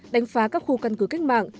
đánh phá các khu căn cứ cách mạng